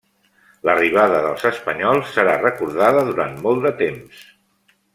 L'arribada dels espanyols serà recordada durant molt temps.